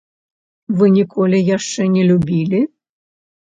Вы ніколі яшчэ не любілі?